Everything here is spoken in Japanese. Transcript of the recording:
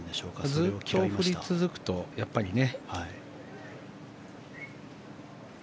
ずっと降り続くとやっぱりね。